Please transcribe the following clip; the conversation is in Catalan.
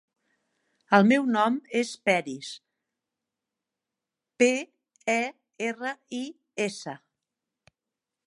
El meu nom és Peris: pe, e, erra, i, essa.